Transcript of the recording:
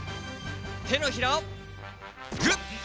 てのひらをグッ！